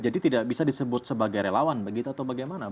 jadi tidak bisa disebut sebagai relawan begitu atau bagaimana